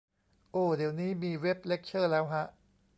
โอ้ เดี๋ยวนี้มีเว็บเลคเชอร์แล้วฮะ